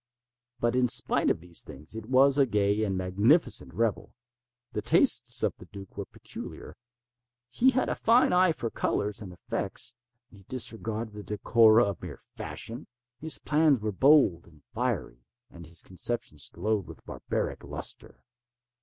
But, in spite of these things, it was a gay and magnificent revel. The tastes of the duke were peculiar. He had a fine eye for colors and effects. He disregarded the decora of mere fashion. His plans were bold and fiery, and his conceptions glowed with barbaric lustre.